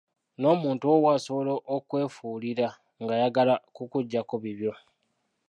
N'omuntu owuwo asobola okukwefuulira nga ayagala kukuggyako bibyo.